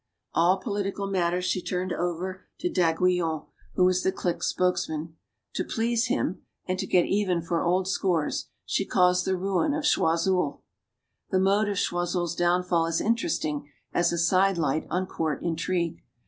All political matters she turned over to d'Aiguillon, who was the clique's spokesman. To please him, and to "get even" for old scores, she caused the ruin of Choiseul. The mode of Choiseul's downfall is interesting as a side light on court intrigue.